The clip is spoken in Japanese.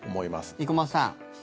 生駒さん